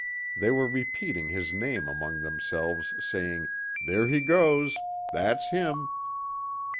They were repeating his name among themselves saying, there he goes ... that's him....